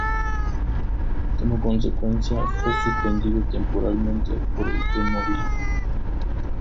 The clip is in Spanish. Como consecuencia fue suspendido temporalmente por el T-Mobile.